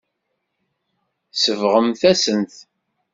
Tsebɣemt-asen-t.